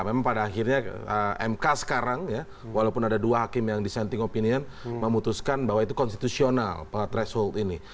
memang pada akhirnya mk sekarang ya walaupun ada dua hakim yang dissenting opinion memutuskan bahwa itu konstitusional threshold ini